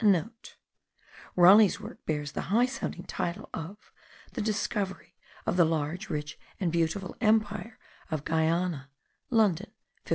(* Raleigh's work bears the high sounding title of The Discovery of the large, rich, and beautiful Empire of Guiana, London 1596.